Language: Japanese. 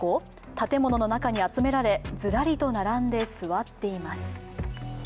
建物の中に集められズラリと並んで座っています。